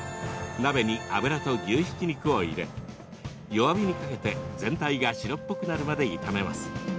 鍋に油と牛ひき肉を入れ弱火にかけて全体が白っぽくなるまで炒めます。